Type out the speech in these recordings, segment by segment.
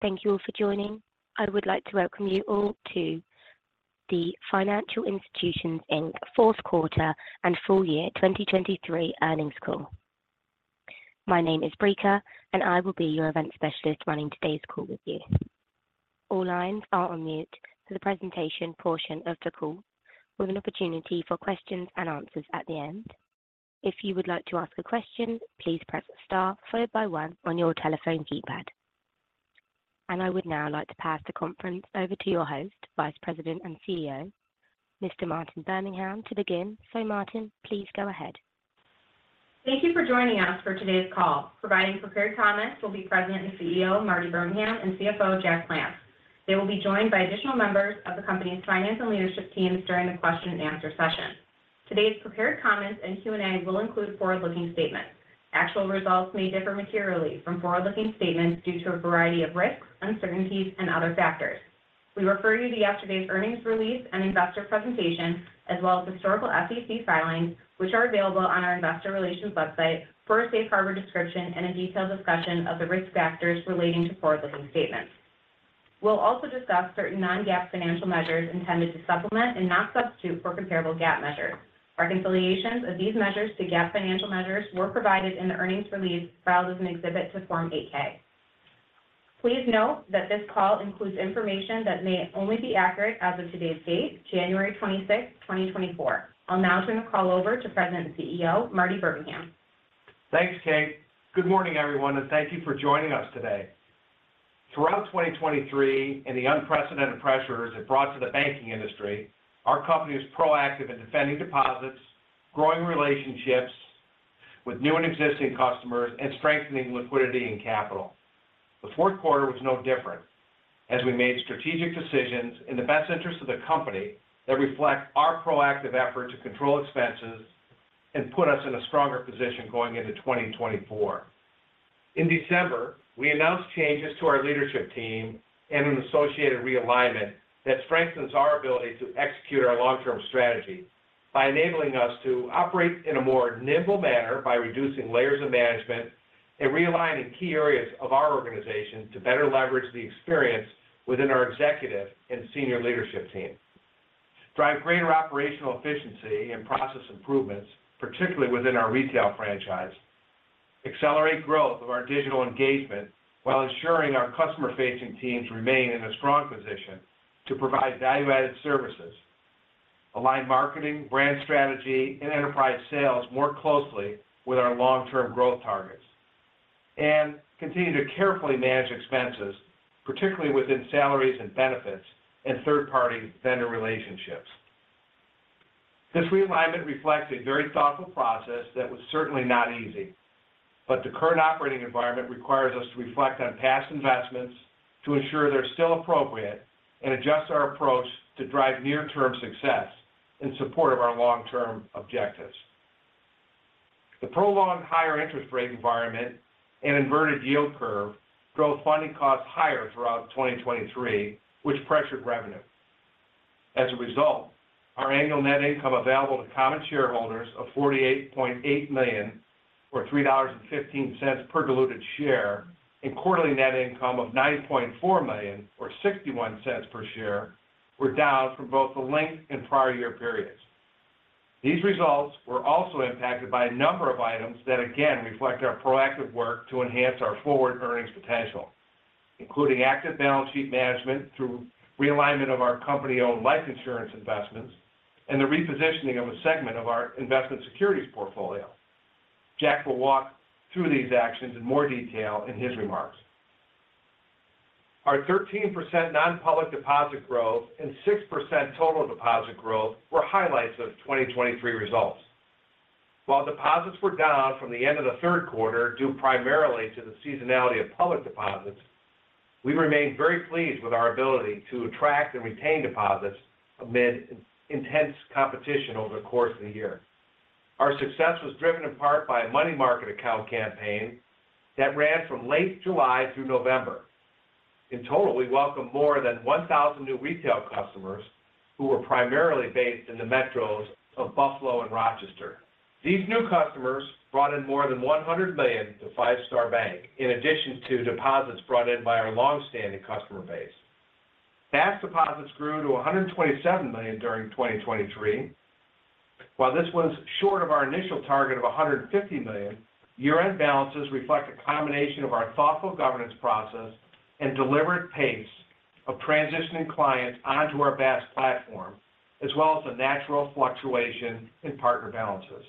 Thank you all for joining. I would like to welcome you all to the Financial Institutions Inc. 4th quarter and full year 2023 earnings call. My name is Brika, and I will be your event specialist running today's call with you. All lines are on mute for the presentation portion of the call, with an opportunity for questions and answers at the end. If you would like to ask a question, please press Star followed by one on your telephone keypad. And I would now like to pass the conference over to your host, Vice President and CEO, Mr. Martin Birmingham, to begin. So Martin, please go ahead. Thank you for joining us for today's call. Providing prepared comments will be President and CEO, Martin Birmingham, and CFO, Jack Plants. They will be joined by additional members of the company's finance and leadership teams during the question and answer session. Today's prepared comments and Q&A will include forward-looking statements. Actual results may differ materially from forward-looking statements due to a variety of risks, uncertainties, and other factors. We refer you to yesterday's earnings release and investor presentation, as well as historical SEC filings, which are available on our investor relations website for a safe harbor description and a detailed discussion of the risk factors relating to forward-looking statements. We'll also discuss certain Non-GAAP financial measures intended to supplement and not substitute for comparable GAAP measures. Our reconciliations of these measures to GAAP financial measures were provided in the earnings release filed as an exhibit to Form 8-K. Please note that this call includes information that may only be accurate as of today's date, January 26th, 2024. I'll now turn the call over to President and CEO, Martin Birmingham. Thanks, Kate. Good morning, everyone, and thank you for joining us today. Throughout 2023 and the unprecedented pressures it brought to the banking industry, our company is proactive in defending deposits, growing relationships with new and existing customers, and strengthening liquidity and capital. The 4th quarter was no different, as we made strategic decisions in the best interest of the company that reflect our proactive effort to control expenses and put us in a stronger position going into 2024. In December, we announced changes to our leadership team and an associated realignment that strengthens our ability to execute our long-term strategy by enabling us to operate in a more nimble manner by reducing layers of management and realigning key areas of our organization to better leverage the experience within our executive and senior leadership team. Drive greater operational efficiency and process improvements, particularly within our retail franchise. Accelerate growth of our digital engagement while ensuring our customer-facing teams remain in a strong position to provide value-added services. Align marketing, brand strategy, and enterprise sales more closely with our long-term growth targets, and continue to carefully manage expenses, particularly within salaries and benefits and third-party vendor relationships. This realignment reflects a very thoughtful process that was certainly not easy, but the current operating environment requires us to reflect on past investments to ensure they're still appropriate and adjust our approach to drive near-term success in support of our long-term objectives. The prolonged higher interest rate environment and inverted yield curve drove funding costs higher throughout 2023, which pressured revenue. As a result, our annual net income available to common shareholders of $48.8 million, or $3.15 per diluted share, and quarterly net income of $9.4 million, or $0.61 per share, were down from both the linked and prior year periods. These results were also impacted by a number of items that again reflect our proactive work to enhance our forward earnings potential, including active balance sheet management through realignment of our company-owned life insurance investments and the repositioning of a segment of our investment securities portfolio. Jack will walk through these actions in more detail in his remarks. Our 13% non-public deposit growth and 6% total deposit growth were highlights of 2023 results. While deposits were down from the end of the third quarter, due primarily to the seasonality of public deposits, we remained very pleased with our ability to attract and retain deposits amid intense competition over the course of the year. Our success was driven in part by a money market account campaign that ran from late July through November. In total, we welcomed more than 1,000 new retail customers who were primarily based in the metros of Buffalo and Rochester. These new customers brought in more than $100 million to Five Star Bank, in addition to deposits brought in by our long-standing customer base. BaaS deposits grew to $127 million during 2023. While this was short of our initial target of $150 million, year-end balances reflect a combination of our thoughtful governance process and deliberate pace of transitioning clients onto our BaaS platform, as well as a natural fluctuation in partner balances.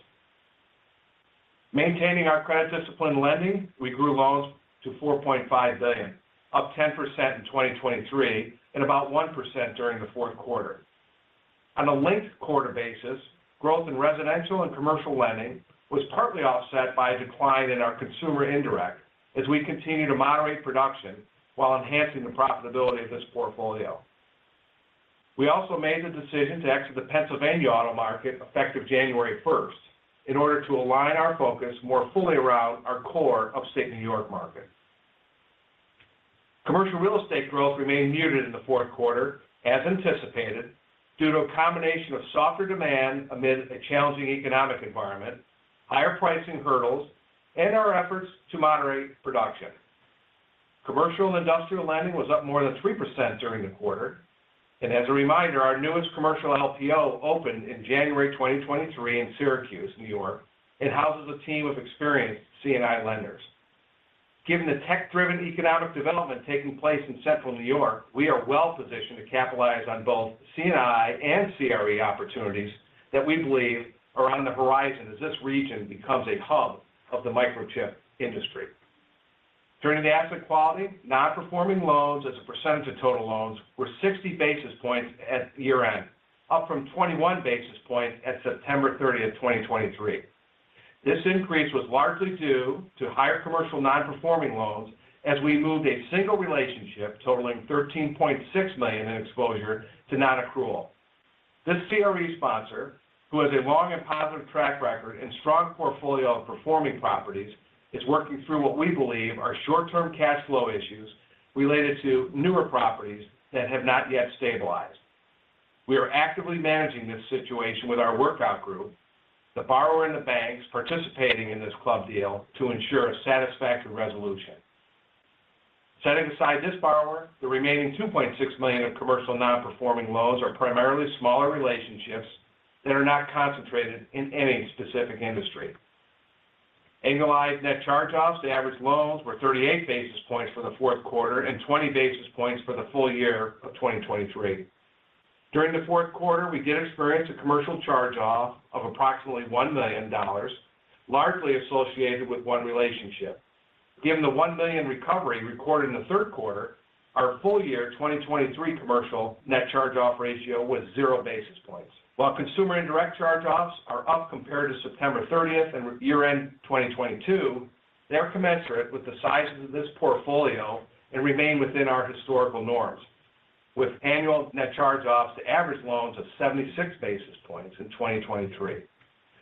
Maintaining our credit discipline lending, we grew loans to $4.5 billion, up 10% in 2023 and about 1% during the 4th quarter. On a linked quarter basis, growth in residential and commercial lending was partly offset by a decline in our consumer indirect as we continue to moderate production while enhancing the profitability of this portfolio. We also made the decision to exit the Pennsylvania auto market effective January 1 in order to align our focus more fully around our core Upstate New York market. Commercial real estate growth remained muted in the 4th quarter, as anticipated, due to a combination of softer demand amid a challenging economic environment, higher pricing hurdles, and our efforts to moderate production. Commercial and industrial lending was up more than 3% during the quarter, and as a reminder, our newest commercial LPO opened in January 2023 in Syracuse, New York, and houses a team of experienced C&I lenders. Given the tech-driven economic development taking place in Central New York, we are well-positioned to capitalize on both C&I and CRE opportunities that we believe are on the horizon as this region becomes a hub of the microchip industry. Turning to asset quality, non-performing loans as a percentage of total loans were 60 basis points at year-end, up from 21 basis points at September 30, 2023. This increase was largely due to higher commercial non-performing loans as we moved a single relationship totaling $13.6 million in exposure to non-accrual. This CRE sponsor, who has a long and positive track record and strong portfolio of performing properties, is working through what we believe are short-term cash flow issues related to newer properties that have not yet stabilized. We are actively managing this situation with our workout group, the borrower and the banks participating in this club deal to ensure a satisfactory resolution. Setting aside this borrower, the remaining $2.6 million of commercial non-performing loans are primarily smaller relationships that are not concentrated in any specific industry. Annualized net charge-offs to average loans were 38 basis points for the 4th quarter and 20 basis points for the full year of 2023. During the 4th quarter, we did experience a commercial charge-off of approximately $1 million, largely associated with one relationship. Given the $1 million recovery recorded in the third quarter, our full year 2023 commercial net charge-off ratio was zero basis points. While consumer and direct charge-offs are up compared to September 30th and year-end 2022, they're commensurate with the size of this portfolio and remain within our historical norms, with annual net charge-offs to average loans of 76 basis points in 2023.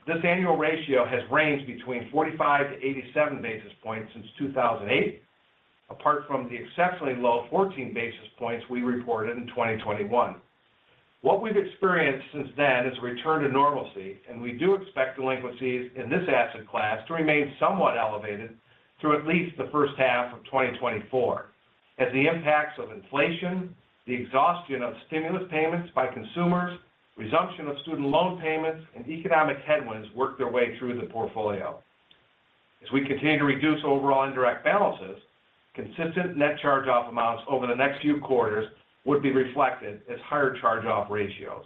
This annual ratio has ranged between 45-87 basis points since 2008, apart from the exceptionally low 14 basis points we reported in 2021. What we've experienced since then is a return to normalcy, and we do expect delinquencies in this asset class to remain somewhat elevated through at least the first half of 2024, as the impacts of inflation, the exhaustion of stimulus payments by consumers, resumption of student loan payments, and economic headwinds work their way through the portfolio. As we continue to reduce overall indirect balances, consistent net charge-off amounts over the next few quarters would be reflected as higher charge-off ratios.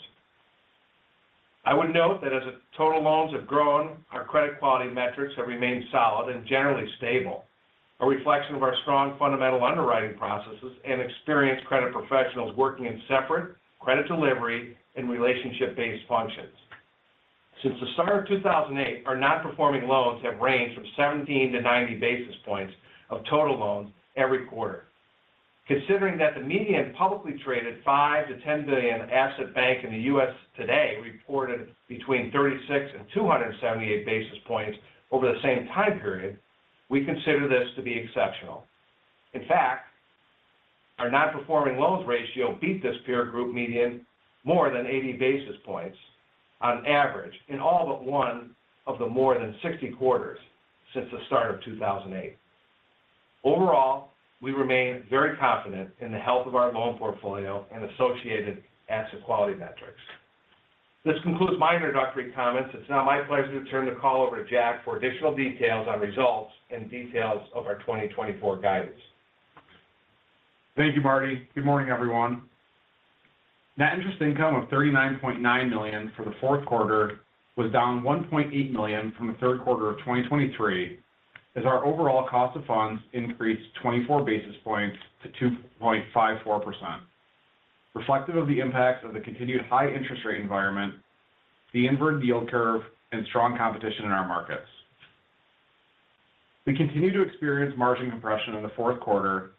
I would note that as total loans have grown, our credit quality metrics have remained solid and generally stable, a reflection of our strong fundamental underwriting processes and experienced credit professionals working in separate credit delivery and relationship-based functions. Since the start of 2008, our non-performing loans have ranged from 17 to 90 basis points of total loans every quarter. Considering that the median publicly traded 5-10 billion asset bank in the US today reported between 36-278 basis points over the same time period, we consider this to be exceptional. In fact, our non-performing loans ratio beat this peer group median more than 80 basis points on average in all but one of the more than 60 quarters since the start of 2008. Overall, we remain very confident in the health of our loan portfolio and associated asset quality metrics. This concludes my introductory comments. It's now my pleasure to turn the call over to Jack for additional details on results and details of our 2024 guidance. Thank you, Martin. Good morning, everyone. Net interest income of $39.9 million for the 4th quarter was down $1.8 million from the third quarter of 2023, as our overall cost of funds increased 24 basis points to 2.54%, reflective of the impacts of the continued high interest rate environment, the inverted yield curve, and strong competition in our markets. We continued to experience margin compression in the 4th quarter,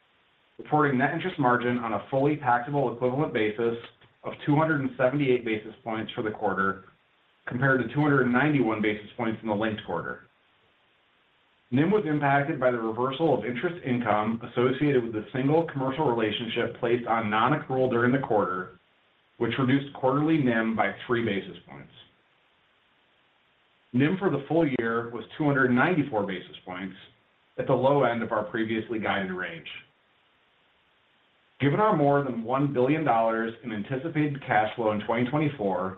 reporting net interest margin on a fully taxable equivalent basis of 278 basis points for the quarter, compared to 291 basis points in the linked quarter. NIM was impacted by the reversal of interest income associated with a single commercial relationship placed on non-accrual during the quarter, which reduced quarterly NIM by 3 basis points. NIM for the full year was 294 basis points at the low end of our previously guided range. Given our more than $1 billion in anticipated cash flow in 2024,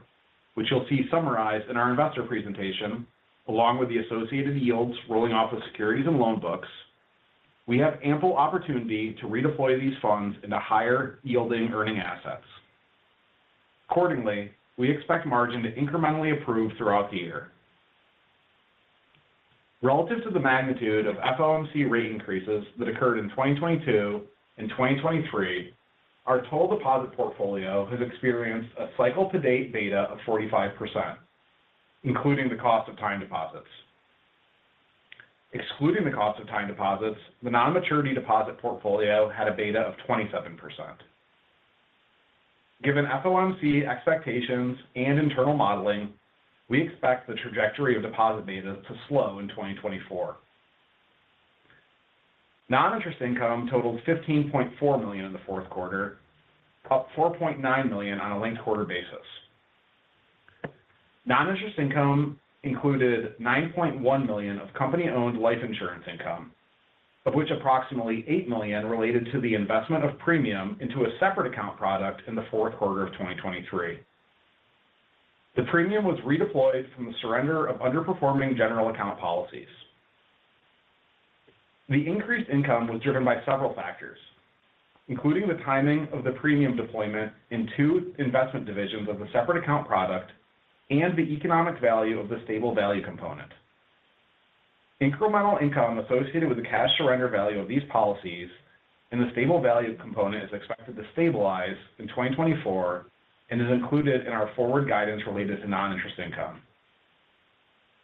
which you'll see summarized in our investor presentation, along with the associated yields rolling off of securities and loan books, we have ample opportunity to redeploy these funds into higher-yielding earning assets. Accordingly, we expect margin to incrementally improve throughout the year. Relative to the magnitude of FOMC rate increases that occurred in 2022 and 2023, our total deposit portfolio has experienced a cycle-to-date beta of 45%, including the cost of time deposits. Excluding the cost of time deposits, the non-maturity deposit portfolio had a beta of 27%. Given FOMC expectations and internal modeling, we expect the trajectory of deposit beta to slow in 2024. Non-interest income totaled $15.4 million in the 4th quarter, up $4.9 million on a linked-quarter basis. Non-interest income included $9.1 million of company-owned life insurance income, of which approximately $8 million related to the investment of premium into a separate account product in the 4th quarter of 2023. The premium was redeployed from the surrender of underperforming general account policies. The increased income was driven by several factors, including the timing of the premium deployment in two investment divisions of the separate account product and the economic value of the stable value component. Incremental income associated with the cash surrender value of these policies and the stable value component is expected to stabilize in 2024 and is included in our forward guidance related to non-interest income.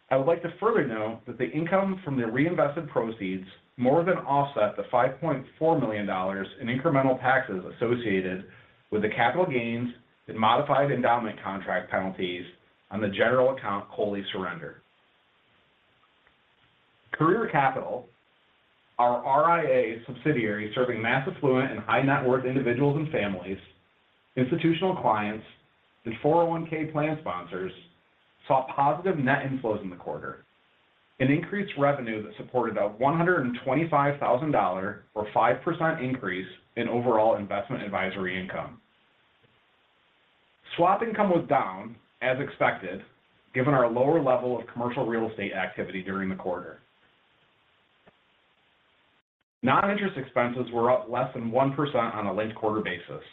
I would like to further note that the income from the reinvested proceeds more than offset the $5.4 million in incremental taxes associated with the capital gains and modified endowment contract penalties on the general account COLI surrender. Courier Capital, our RIA subsidiary, serving mass affluent and high net worth individuals and families, institutional clients, and 401(k) plan sponsors, saw positive net inflows in the quarter. An increased revenue that supported a $125,000 or 5% increase in overall investment advisory income. Swap income was down, as expected, given our lower level of commercial real estate activity during the quarter. Non-interest expenses were up less than 1% on a linked-quarter basis,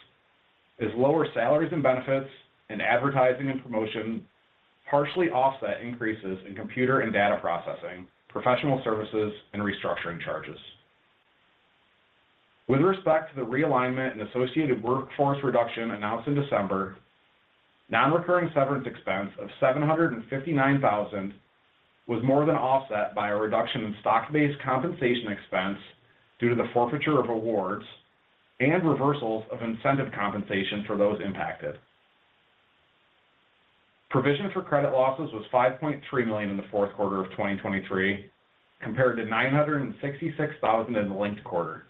as lower salaries and benefits and advertising and promotion partially offset increases in computer and data processing, professional services, and restructuring charges. With respect to the realignment and associated workforce reduction announced in December, non-recurring severance expense of $759,000 was more than offset by a reduction in stock-based compensation expense due to the forfeiture of awards and reversals of incentive compensation for those impacted. Provision for credit losses was $5.3 million in the 4th quarter of 2023, compared to $966,000 in the linked quarter.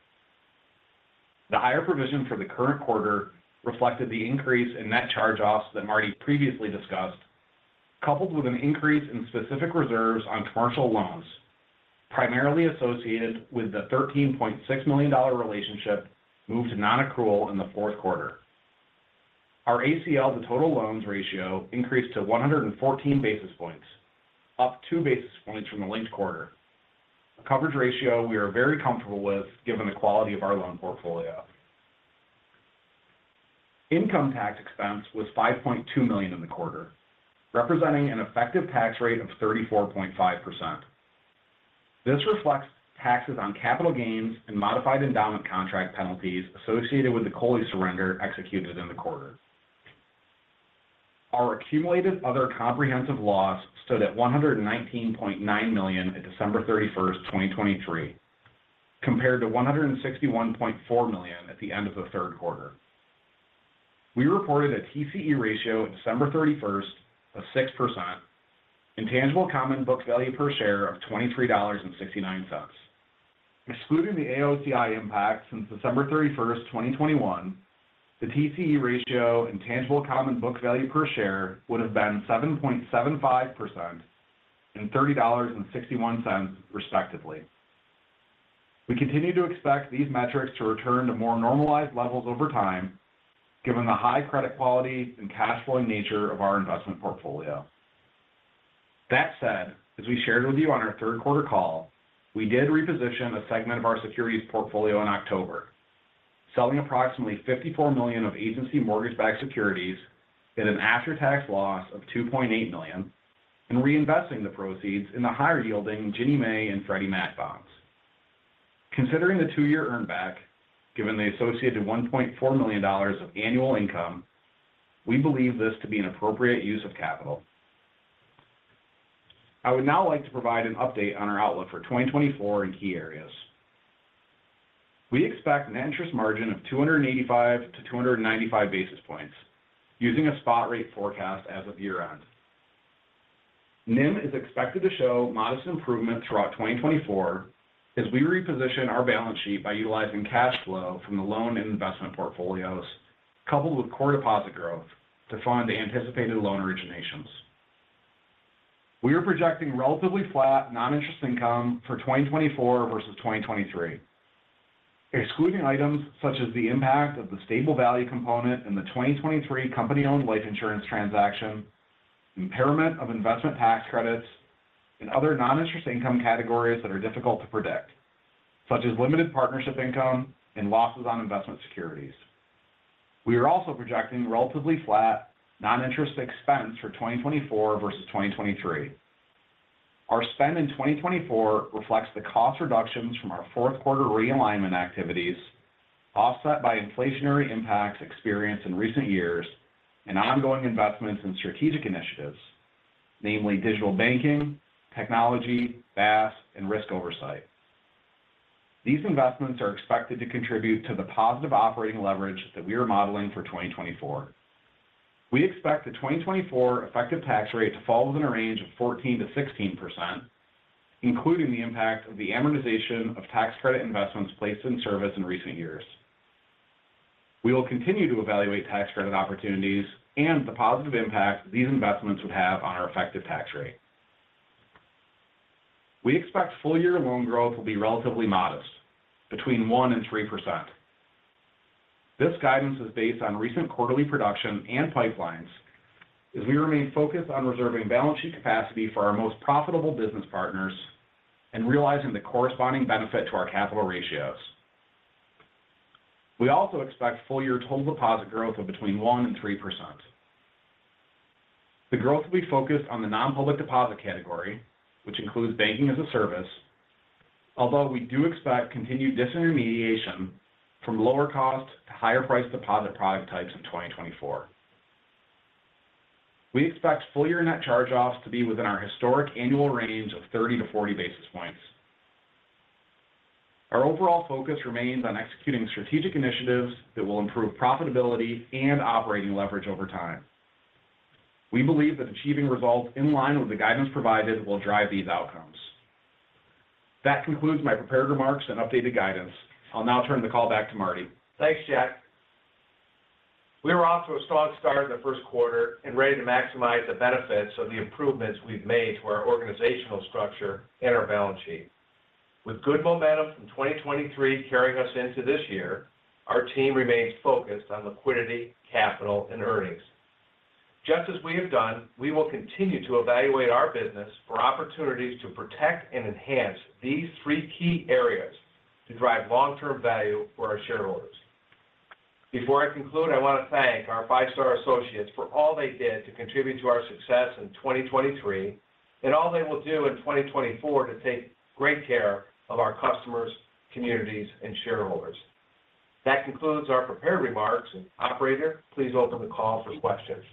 The higher provision for the current quarter reflected the increase in net charge-offs that Martin previously discussed, coupled with an increase in specific reserves on commercial loans, primarily associated with the $13.6 million relationship moved to non-accrual in the 4th quarter. Our ACL to total loans ratio increased to 114 basis points, up 2 basis points from the linked quarter. A coverage ratio we are very comfortable with given the quality of our loan portfolio. Income tax expense was $5.2 million in the quarter, representing an effective tax rate of 34.5%. This reflects taxes on capital gains and modified endowment contract penalties associated with the COLI surrender executed in the quarter. Our accumulated other comprehensive loss stood at $119.9 million at December 31, 2023, compared to $161.4 million at the end of the third quarter. We reported a TCE ratio of December 31 of 6% and tangible common book value per share of $23.69. Excluding the AOCI impact since December 31, 2021, the TCE ratio and tangible common book value per share would have been 7.75% and $30.61, respectively. We continue to expect these metrics to return to more normalized levels over time, given the high credit quality and cash flow nature of our investment portfolio. That said, as we shared with you on our third quarter call, we did reposition a segment of our securities portfolio in October, selling approximately $54 million of agency mortgage-backed securities at an after-tax loss of $2.8 million and reinvesting the proceeds in the higher-yielding Ginnie Mae and Freddie Mac bonds. Considering the two-year earn back, given the associated $1.4 million of annual income, we believe this to be an appropriate use of capital. I would now like to provide an update on our outlook for 2024 in key areas. We expect an interest margin of 285-295 basis points, using a spot rate forecast as of year-end. NIM is expected to show modest improvement throughout 2024 as we reposition our balance sheet by utilizing cash flow from the loan and investment portfolios, coupled with core deposit growth to fund the anticipated loan originations. We are projecting relatively flat non-interest income for 2024 versus 2023, excluding items such as the impact of the stable value component in the 2023 company-owned life insurance transaction, impairment of investment tax credits, and other non-interest income categories that are difficult to predict, such as limited partnership income and losses on investment securities. We are also projecting relatively flat non-interest expense for 2024 versus 2023. Our spend in 2024 reflects the cost reductions from our 4th quarter realignment activities, offset by inflationary impacts experienced in recent years and ongoing investments in strategic initiatives, namely digital banking, technology, BaaS, and risk oversight. These investments are expected to contribute to the positive operating leverage that we are modeling for 2024. We expect the 2024 effective tax rate to fall within a range of 14%-16%, including the impact of the amortization of tax credit investments placed in service in recent years. We will continue to evaluate tax credit opportunities and the positive impact these investments would have on our effective tax rate. We expect full-year loan growth will be relatively modest, between 1%-3%. This guidance is based on recent quarterly production and pipelines, as we remain focused on reserving balance sheet capacity for our most profitable business partners and realizing the corresponding benefit to our capital ratios. We also expect full-year total deposit growth of between 1%-3%. The growth will be focused on the non-public deposit category, which includes banking as a service, although we do expect continued disintermediation from lower cost to higher price deposit product types in 2024. We expect full-year net charge-offs to be within our historic annual range of 30-40 basis points. Our overall focus remains on executing strategic initiatives that will improve profitability and operating leverage over time. We believe that achieving results in line with the guidance provided will drive these outcomes. That concludes my prepared remarks and updated guidance. I'll now turn the call back to Martin. Thanks, Jack. We were off to a strong start in the first quarter and ready to maximize the benefits of the improvements we've made to our organizational structure and our balance sheet. With good momentum from 2023 carrying us into this year, our team remains focused on liquidity, capital, and earnings. Just as we have done, we will continue to evaluate our business for opportunities to protect and enhance these three key areas to drive long-term value for our shareholders. Before I conclude, I want to thank our Five Star associates for all they did to contribute to our success in 2023, and all they will do in 2024 to take great care of our customers, communities, and shareholders. That concludes our prepared remarks. And operator, please open the call for questions.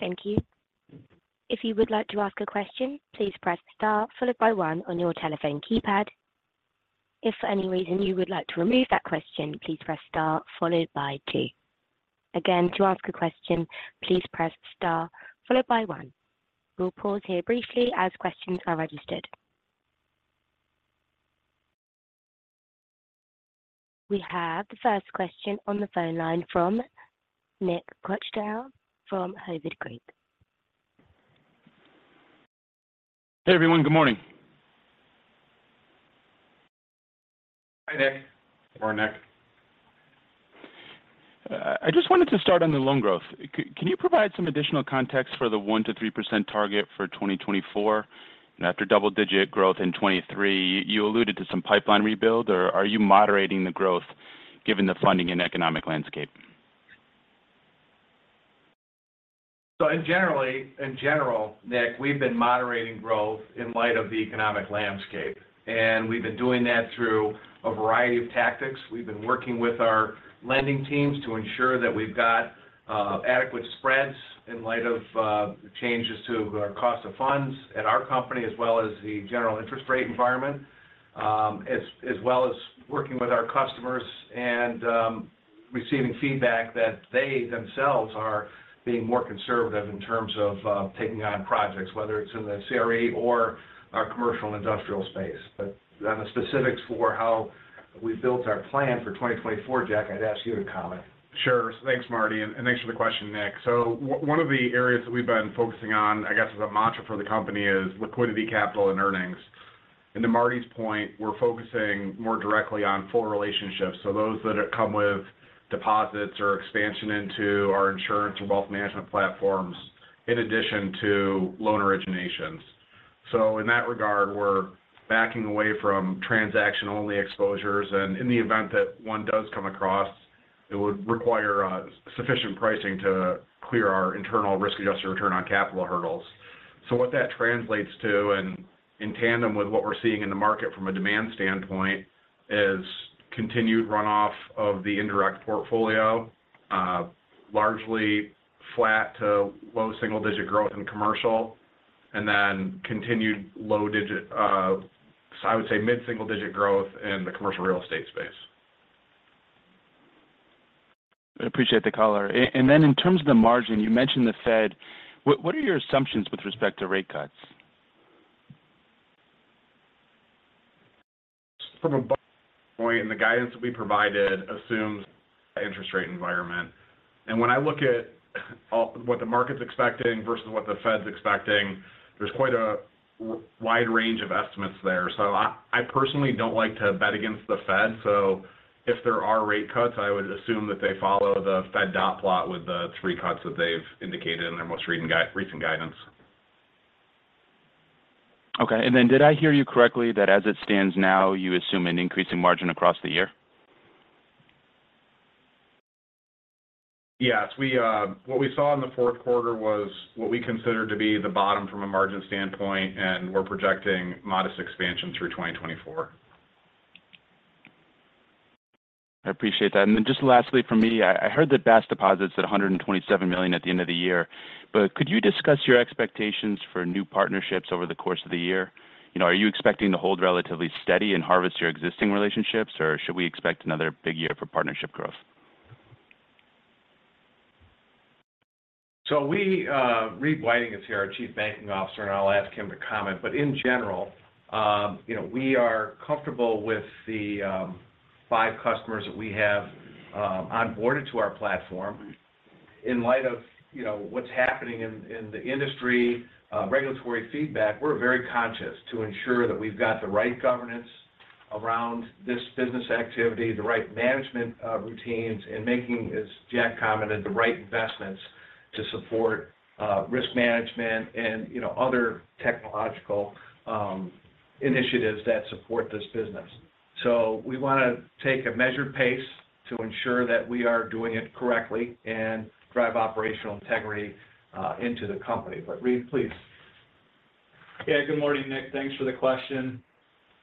Thank you. If you would like to ask a question, please press star followed by 1 on your telephone keypad. If for any reason you would like to remove that question, please press star followed by 2. Again, to ask a question, please press star followed by 1. We'll pause here briefly as questions are registered. We have the first question on the phone line from Nick Cucharale from Hovde Group. Hey, everyone. Good morning. Hi, Nick. Good morning, Nick. I just wanted to start on the loan growth. Can you provide some additional context for the 1%-3% target for 2024? And after double-digit growth in 2023, you alluded to some pipeline rebuild, or are you moderating the growth given the funding and economic landscape? So in general, Nick, we've been moderating growth in light of the economic landscape, and we've been doing that through a variety of tactics. We've been working with our lending teams to ensure that we've got adequate spreads in light of changes to our cost of funds at our company, as well as the general interest rate environment. As well as working with our customers and receiving feedback that they themselves are being more conservative in terms of taking on projects, whether it's in the CRE or our commercial and industrial space. But on the specifics for how we built our plan for 2024, Jack, I'd ask you to comment. Sure. Thanks, Martin, and thanks for the question, Nick. So one of the areas that we've been focusing on, I guess, as a mantra for the company, is liquidity, capital, and earnings. And to Martin's point, we're focusing more directly on full relationships, so those that come with deposits or expansion into our insurance or wealth management platforms, in addition to loan originations. So in that regard, we're backing away from transaction-only exposures, and in the event that one does come across, it would require sufficient pricing to clear our internal risk-adjusted return on capital hurdles. So what that translates to, and in tandem with what we're seeing in the market from a demand standpoint, is continued runoff of the indirect portfolio, largely flat to low single digit growth in commercial, and then continued low digit. So I would say mid-single digit growth in the commercial real estate space. I appreciate the color. And then in terms of the margin, you mentioned the Fed. What are your assumptions with respect to rate cuts? From a budget point, the guidance that we provided assumes interest rate environment. When I look at what the market's expecting versus what the Fed's expecting, there's quite a wide range of estimates there. So I personally don't like to bet against the Fed. So if there are rate cuts, I would assume that they follow the Fed Dot Plot with the three cuts that they've indicated in their most recent guidance. Okay, and then did I hear you correctly, that as it stands now, you assume an increase in margin across the year? Yes. What we saw in the 4th quarter was what we consider to be the bottom from a margin standpoint, and we're projecting modest expansion through 2024. I appreciate that. And then just lastly for me, I heard that BaaS deposits at $127 million at the end of the year, but could you discuss your expectations for new partnerships over the course of the year? are you expecting to hold relatively steady and harvest your existing relationships, or should we expect another big year for partnership growth? So we, Reid Whiting is here, our Chief Banking Officer, and I'll ask him to comment. But in general, we are comfortable with the five customers that we have onboarded to our platform. In light of, what's happening in the industry, regulatory feedback, we're very conscious to ensure that we've got the right governance around this business activity, the right management routines, and making, as Jack commented, the right investments to support risk management and, other technological initiatives that support this business. So we want to take a measured pace to ensure that we are doing it correctly and drive operational integrity into the company. But Reid, please. Yeah. Good morning, Nick. Thanks for the question.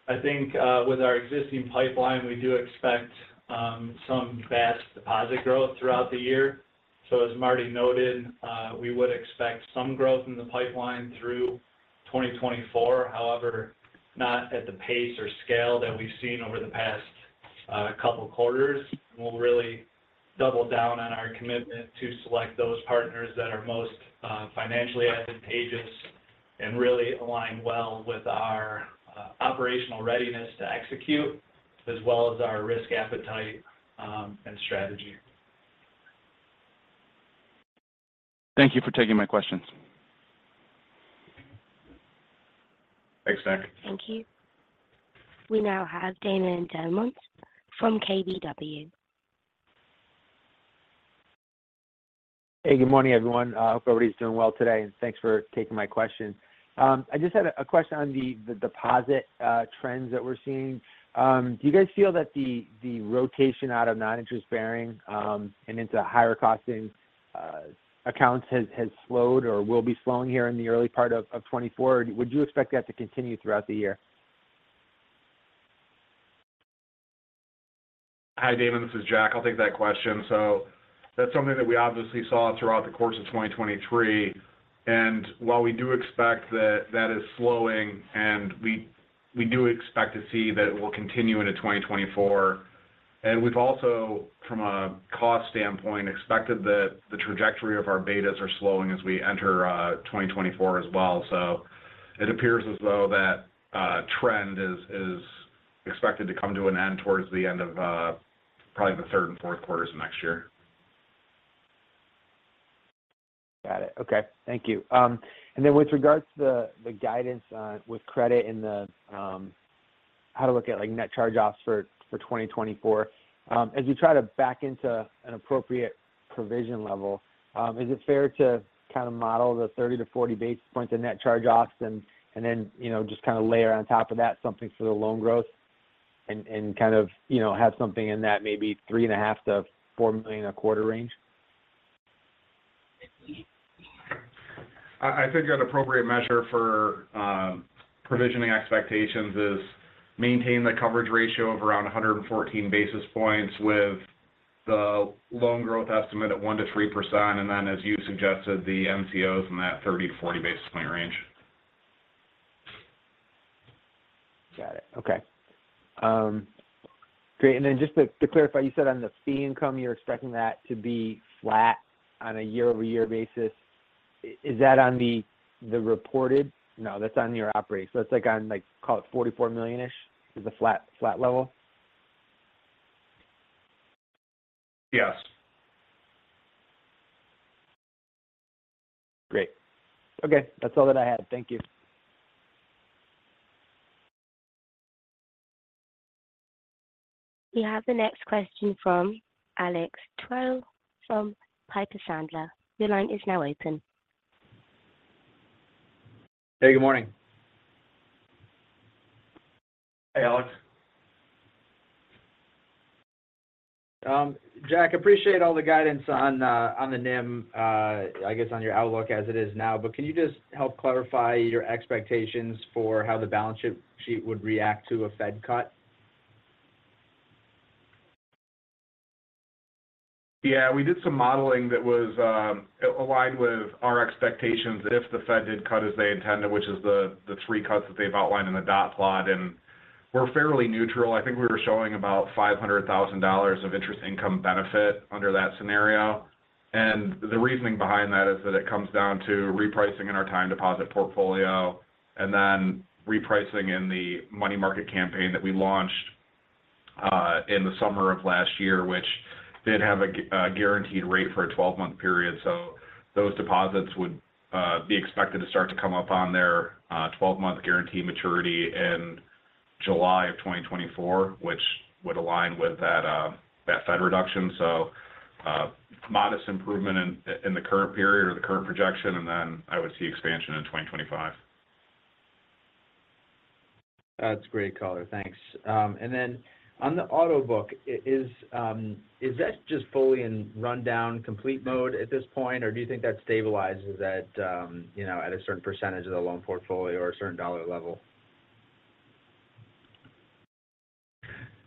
I think, with our existing pipeline, we do expect, some BaaS deposit growth throughout the year. So as Martin noted, we would expect some growth in the pipeline through 2024. However, not at the pace or scale that we've seen over the past, couple quarters. We'll really double down on our commitment to select those partners that are most, financially advantageous and really align well with our, operational readiness to execute, as well as our risk appetite, and strategy. Thank you for taking my questions. Thanks, Nick. Thank you. We now have Damon DelMonte from KBW. Hey, good morning, everyone. Hope everybody's doing well today, and thanks for taking my question. I just had a question on the deposit trends that we're seeing. Do you guys feel that the rotation out of non-interest bearing and into higher costing accounts has slowed or will be slowing here in the early part of 2024? Would you expect that to continue throughout the year? Hi, Damon, this is Jack. I'll take that question. So that's something that we obviously saw throughout the course of 2023, and while we do expect that is slowing, and we do expect to see that it will continue into 2024. And we've also, from a cost standpoint, expected that the trajectory of our betas are slowing as we enter 2024 as well. So it appears as though that trend is expected to come to an end towards the end of probably the third and 4th quarters of next year. Got it. Okay. Thank you. And then with regards to the guidance with credit and how to look at, like, net charge-offs for 2024. As you try to back into an appropriate provision level, is it fair to kind of model the 30-40 basis points in net charge-offs and then, just kind of layer on top of that something for the loan growth and kind of, have something in that maybe $3.5 million-$4 million a quarter range? I think an appropriate measure for provisioning expectations is maintain the coverage ratio of around 114 basis points, with the loan growth estimate at 1%-3%, and then, as you suggested, the NCOs in that 30-40 basis point range. Got it. Okay. Great. And then just to, to clarify, you said on the fee income, you're expecting that to be flat on a year-over-year basis. Is that on the, the reported? No, that's on your operating. So that's like on, like, call it $44 million-ish, is a flat level? Yes. Great. Okay, that's all that I had. Thank you. We have the next question from Alexander Twerdahl from Piper Sandler. Your line is now open. Hey, good morning. Hey, Alex. Jack, appreciate all the guidance on the NIM, I guess, on your outlook as it is now, but can you just help clarify your expectations for how the balance sheet would react to a Fed cut? Yeah, we did some modeling that was aligned with our expectations that if the Fed did cut as they intended, which is the three cuts that they've outlined in the dot plot, and we're fairly neutral. I think we were showing about $500,000 of interest income benefit under that scenario. And the reasoning behind that is that it comes down to repricing in our time deposit portfolio and then repricing in the money market campaign that we launched in the summer of last year, which did have a guaranteed rate for a twelve-month period. So those deposits would be expected to start to come up on their twelve-month guarantee maturity in July of 2024, which would align with that Fed reduction. So, modest improvement in the current period or the current projection, and then I would see expansion in 2025. That's great, caller. Thanks. And then on the auto book, is that just fully in rundown complete mode at this point, or do you think that stabilizes at, at a certain percentage of the loan portfolio or a certain dollar level?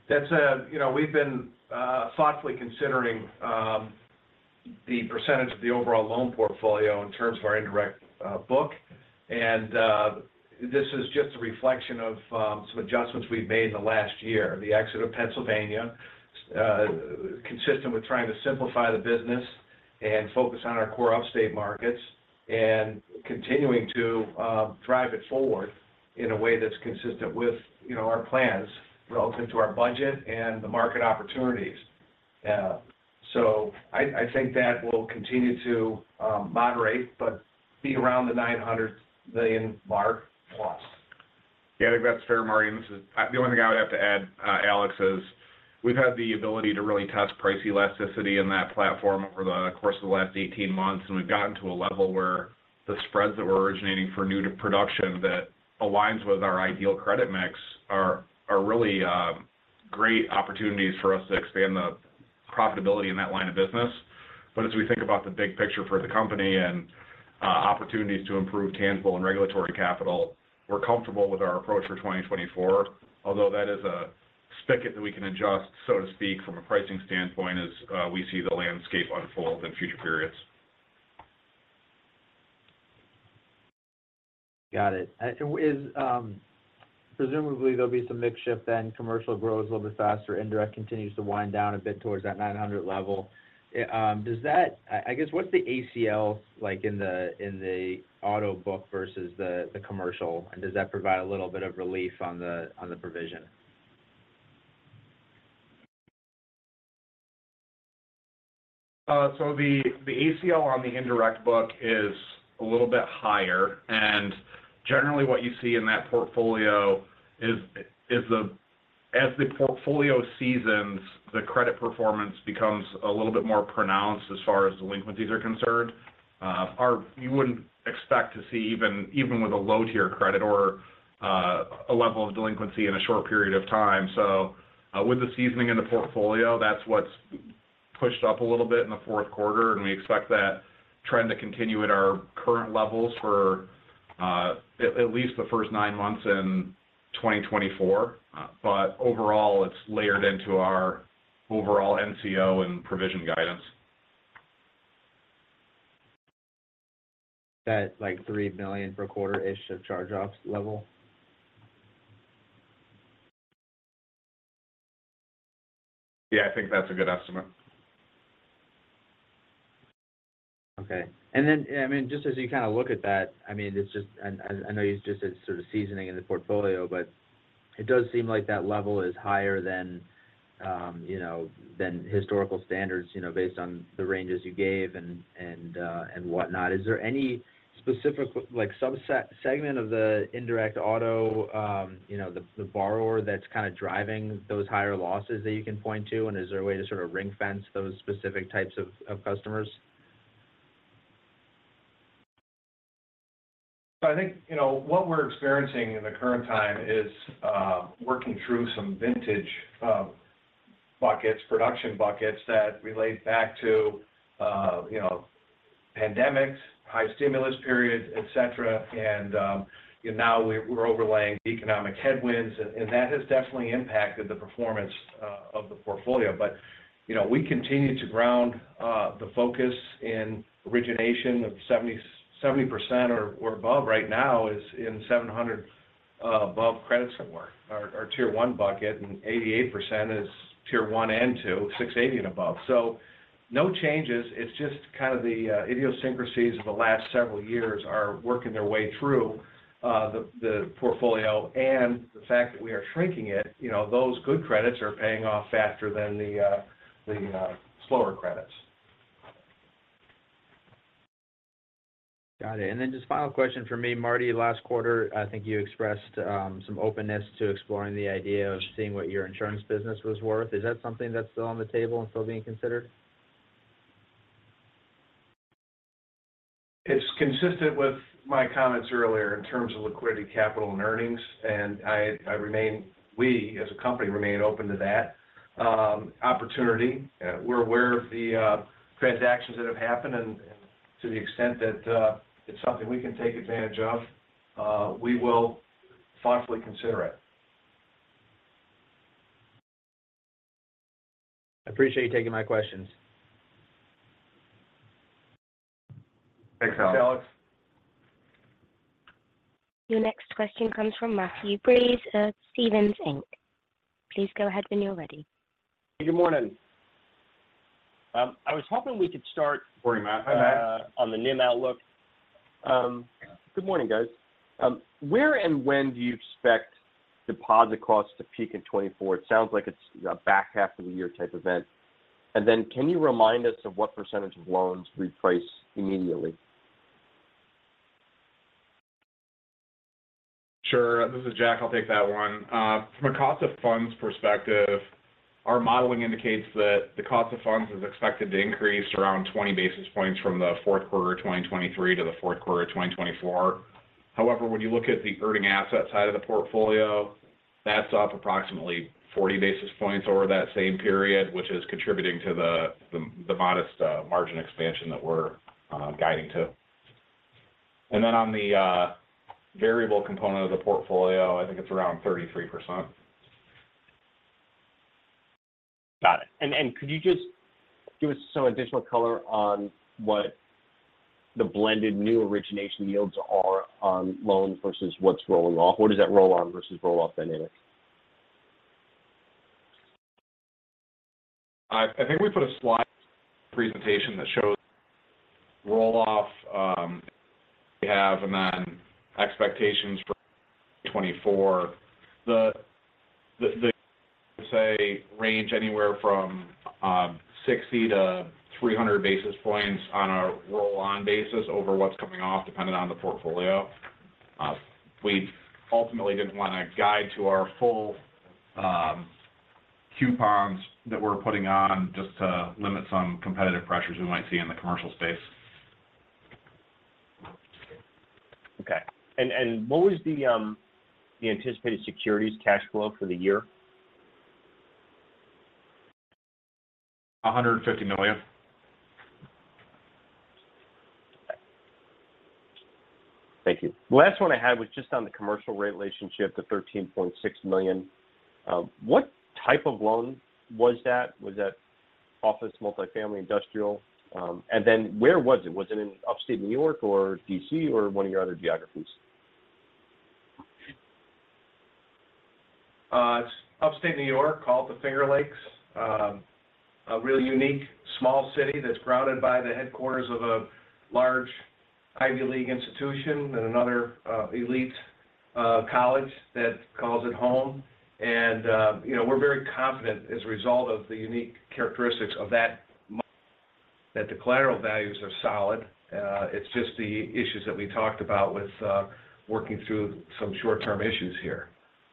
That's, we've been thoughtfully considering the percentage of the overall loan portfolio in terms of our indirect book. This is just a reflection of some adjustments we've made in the last year. The exit of Pennsylvania consistent with trying to simplify the business and focus on our core Upstate markets, and continuing to drive it forward in a way that's consistent with, our plans relative to our budget and the market opportunities. So I think that will continue to moderate, but be around the $900 million mark plus. Yeah, I think that's fair, Martin. And this is the only thing I would have to add, Alex, is we've had the ability to really test price elasticity in that platform over the course of the last 18 months. And we've gotten to a level where the spreads that we're originating for new to production that aligns with our ideal credit mix are really great opportunities for us to expand the profitability in that line of business. But as we think about the big picture for the company and opportunities to improve tangible and regulatory capital, we're comfortable with our approach for 2024. Although that is a spigot that we can adjust, so to speak, from a pricing standpoint, as we see the landscape unfold in future periods. Got it. And is, presumably, there'll be some mix shift, then commercial grows a little bit faster, indirect continues to wind down a bit towards that 900 level. Does that, I guess, what's the ACL like in the auto book versus the commercial? And does that provide a little bit of relief on the provision? So the ACL on the indirect book is a little bit higher, and generally, what you see in that portfolio is the as the portfolio seasons, the credit performance becomes a little bit more pronounced as far as delinquencies are concerned. Our you wouldn't expect to see even with a low-tier credit or a level of delinquency in a short period of time. So with the seasoning in the portfolio, that's what's pushed up a little bit in the 4th quarter, and we expect that trend to continue at our current levels for at least the first nine months in 2024. But overall, it's layered into our overall NCO and provision guidance. That's like $3 million per quarter-ish of charge-offs level? Yeah, I think that's a good estimate. Okay. And then, I mean, just as you kind of look at that, I mean, it's just, and I know you just said sort of seasoning in the portfolio, but it does seem like that level is higher than, than historical standards, based on the ranges you gave and, and whatnot. Is there any specific, like, subset-segment of the indirect auto, the borrower that's kind of driving those higher losses that you can point to? And is there a way to sort of ring-fence those specific types of customers? So I think, what we're experiencing in the current time is, working through some vintage, buckets, production buckets that relate back to, pandemics, high stimulus periods, et cetera. And, now we're, we're overlaying economic headwinds, and, and that has definitely impacted the performance, of the portfolio. But, we continue to ground, the focus in origination of 70, 70% or, or above right now is in 700 above credit score, our, our Tier 1 bucket, and 88% is Tier 1 and two, 680 and above. So no changes, it's just kind of the, idiosyncrasies of the last several years are working their way through, the, the portfolio and the fact that we are shrinking it. You know, those good credits are paying off faster than the, slower credits. Got it. And then just final question from me, Martin. Last quarter, I think you expressed some openness to exploring the idea of seeing what your insurance business was worth. Is that something that's still on the table and still being considered? It's consistent with my comments earlier in terms of liquidity, capital, and earnings, and I remain, we, as a company, remain open to that opportunity. We're aware of the transactions that have happened, and to the extent that it's something we can take advantage of, we will thoughtfully consider it. I appreciate you taking my questions. Thanks, Alex. Thanks, Alex. Your next question comes from Matthew Breese of Stephens Inc. Please go ahead when you're ready. Good morning. I was hoping we could start- Good morning, Matt. Hi, Matt. on the NIM outlook. Good morning, guys. Where and when do you expect deposit costs to peak in 2024? It sounds like it's a back half of the year type event. And then, can you remind us of what percentage of loans reprice immediately? Sure. This is Jack. I'll take that one. From a cost of funds perspective, our modeling indicates that the cost of funds is expected to increase around 20 basis points from the 4th quarter of 2023 to the 4th quarter of 2024. However, when you look at the earning asset side of the portfolio, that's up approximately 40 basis points over that same period, which is contributing to the modest margin expansion that we're guiding to. And then on the variable component of the portfolio, I think it's around 33%. Got it. Could you just give us some additional color on what the blended new origination yields are on loan versus what's rolling off? What is that roll-on versus roll-off dynamic? I think we put a slide presentation that shows roll-off we have and then expectations for 2024. The range anywhere from 60-300 basis points on a roll-on basis over what's coming off, depending on the portfolio. We ultimately didn't wanna guide to our full coupons that we're putting on just to limit some competitive pressures we might see in the commercial space. Okay. And what was the anticipated securities cash flow for the year? $150 million. Thank you. The last one I had was just on the commercial rate relationship, the $13.6 million. What type of loan was that? Was that office, multifamily, industrial? And then where was it? Was it in Upstate New York or D.C, or one of your other geographies? It's upstate New York, called the Finger Lakes. A really unique small city that's grounded by the headquarters of a large Ivy League institution and another elite college that calls it home. And, we're very confident as a result of the unique characteristics of that, the collateral values are solid. It's just the issues that we talked about with working through some short-term issues here.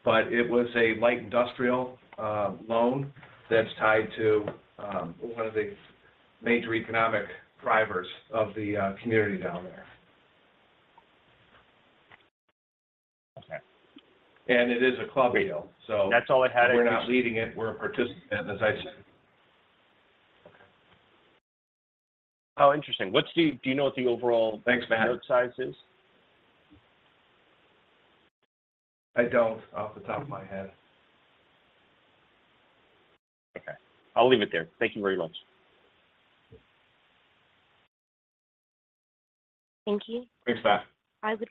But it was a light industrial loan that's tied to one of the major economic drivers of the community down there. Okay. It is a club deal, so- That's all I had. We're not leading it. We're a participant, as I said. Okay. How interesting. What's the-- do you know what the overall- Thanks, Matt note size is? I don't, off the top of my head. Okay. I'll leave it there. Thank you very much. Thank you. Thanks, Matt. I would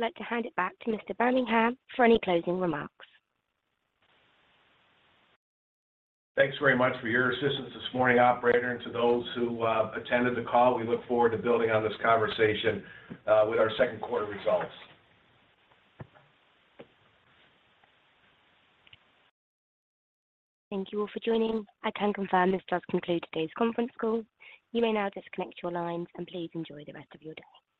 like to hand it back to Mr. Birmingham for any closing remarks. Thanks very much for your assistance this morning, operator. To those who attended the call, we look forward to building on this conversation with our second quarter results. Thank you all for joining. I can confirm this does conclude today's conference call. You may now disconnect your lines, and please enjoy the rest of your day.